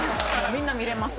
みんな見れます